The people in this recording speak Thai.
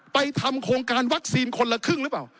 ทำโครงการวัคซีนคนละครึ่งหรือเปล่า